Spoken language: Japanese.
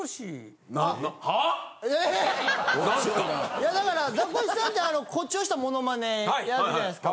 いやだからザコシさんって誇張したモノマネやるじゃないですか。